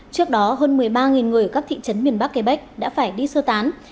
trước đó hơn một mươi ba người ở các thị trấn miền bắc quebec đã phải đi sơ tán